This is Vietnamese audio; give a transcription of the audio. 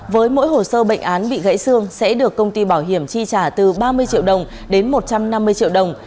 với mỗi hồ sơ bệnh án bị gãy xương sẽ được công ty bảo hiểm chi trả từ ba mươi triệu đồng đến một trăm năm mươi triệu đồng